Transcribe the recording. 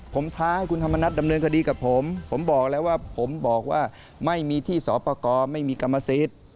ผมท้าให้คุณธรรมนัฐดำเนินคดีกับผมผมบอกแล้วว่าผมบอกว่าไม่มีที่สอบประกอบไม่มีกรรมสิทธิ์